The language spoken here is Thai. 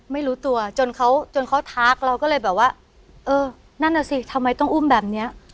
ไม่รู้ตัวจนเขาจนเขาทักเราก็เลยแบบว่าเออนั่นน่ะสิทำไมต้องอุ้มแบบเนี้ย